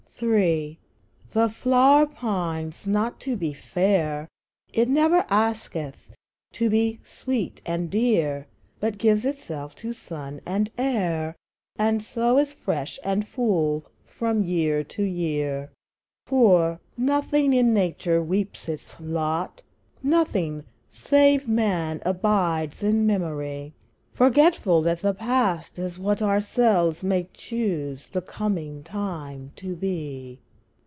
III. The flower pines not to be fair, It never asketh to be sweet and dear, But gives itself to sun and air, And so is fresh and full from year to year. IV. Nothing in Nature weeps its lot, Nothing, save man, abides in memory, Forgetful that the Past is what Ourselves may choose the coming time to be.